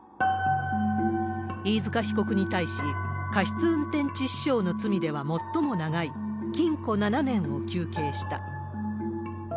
飯塚被告に対し、過失運転致死傷の罪では最も長い禁錮７年を求刑した。